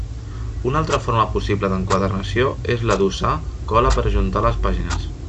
Una altra forma possible d'enquadernació és la d'usar cola per a ajuntar les pàgines.